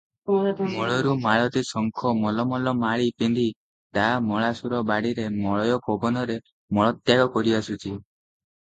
ମୂଳରୁ ମାଳତୀ ଶଙ୍ଖ ମଲ ମଲ ମାଳି ପିନ୍ଧି ତା ମଳାଶୁର ବାଡ଼ିରେ ମଳୟ ପବନରେ ମଳତ୍ୟାଗ କରିଆସୁଛି